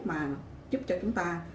mà giúp cho chúng ta